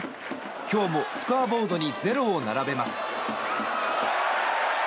今日もスコアボードに０を並べます。